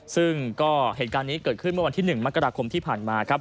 ซึ่งก็เหตุการณ์นี้เกิดขึ้นเมื่อวันที่๑มกราคมที่ผ่านมาครับ